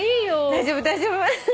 大丈夫大丈夫。